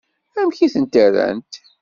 Amek i tent-rrant?